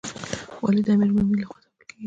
والی د امیرالمؤمنین لخوا ټاکل کیږي